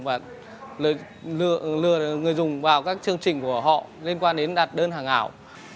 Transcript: và lừa người dùng vào các chương trình của họ liên quan đến đặt đơn hàng ảo